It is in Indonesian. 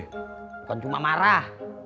bukan cuma marah